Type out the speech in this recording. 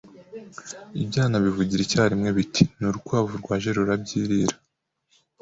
Ibyana bivugira icyarimwe biti ni urukwavu rwaje rurabyirira